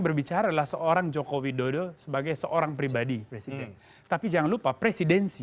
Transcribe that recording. berbicara adalah seorang joko widodo sebagai seorang pribadi presiden tapi jangan lupa presidensi